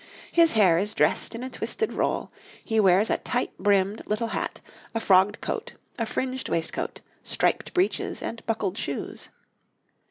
His hair is dressed in a twisted roll; he wears a tight brimmed little hat, a frogged coat, a fringed waistcoat, striped breeches, and buckled shoes.